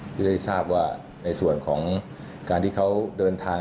ที่ได้ทราบว่าในส่วนของการที่เขาเดินทาง